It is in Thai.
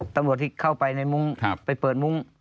ตำรวจที่เข้าไปในมุ้งไปเปิดมุ้ง